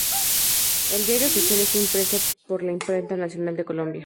El Diario Oficial está impreso por la Imprenta Nacional de Colombia.